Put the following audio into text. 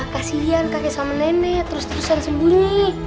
kasian kakek sama nenek terus terusan sembunyi